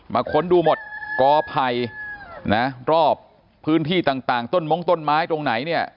ค้นดูหมดกอไผ่นะรอบพื้นที่ต่างต้นมงต้นไม้ตรงไหนเนี่ย